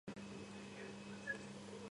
ცნობილია, როგორც ბალნეოლოგიური კურორტი.